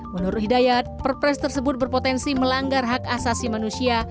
menurut hidayat perpres tersebut berpotensi melanggar hak asasi manusia